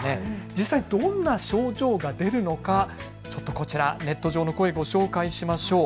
実際どんな症状が出るのかネット上の声をご紹介しましょう。